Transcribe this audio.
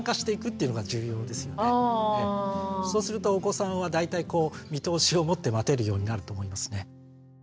それをそうするとお子さんは大体こう見通しを持って待てるようになると思いますね。